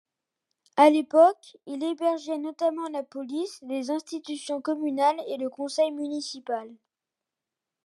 À l'époque, il hébergeait notamment la police, les institutions communales et le conseil municipal.